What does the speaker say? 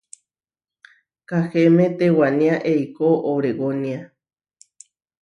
Kahéme tewaniá eikó Obregónia.